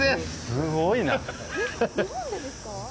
すごいな。